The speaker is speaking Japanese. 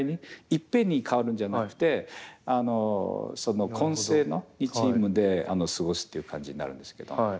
いっぺんに代わるんじゃなくて混成の２チームで過ごすっていう感じになるんですけど。